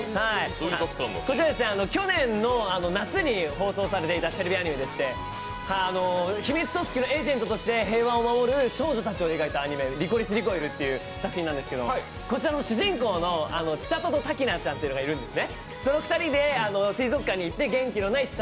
こちら去年の夏に放送されていたテレビアニメでして秘密組織のエージェントとして、平和を守る少女たちを描いたアニメ「リコリス・リコイル」っていう作品なんですけどこちらの主人公の千束とたきなちゃんというのがいるんですね。